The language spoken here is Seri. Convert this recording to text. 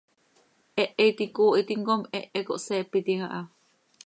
Hehe iti icoohitim com hehe cohseepitim aha.